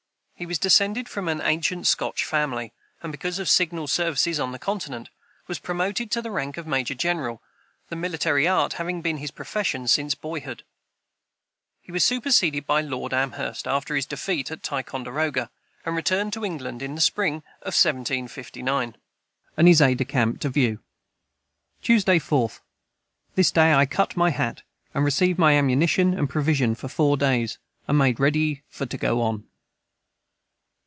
He was descended from an ancient Scotch family, and, because of signal services on the continent, was promoted to the rank of major general, the military art having been his profession since boyhood. He was superseded by Lord Amherst, after his defeat at Ticonderoga, and returned to England in the spring of 1759.] Tuesday 4. This day I cut my hat and received my amanition and provision for 4 days and made radey for to go on.